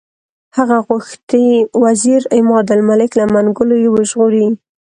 هغه غوښتي وزیر عمادالملک له منګولو یې وژغوري.